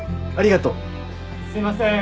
・すいません。